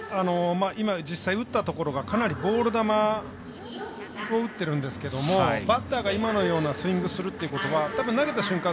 今、実際に打ったところがかなりボール球を打ってるんですがバッターが今のようなスイングするということはたぶん投げた瞬間